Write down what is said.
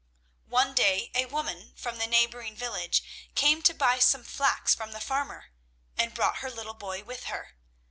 One day a woman from the neighbouring village came to buy some flax from the farmer, and brought her little boy with her.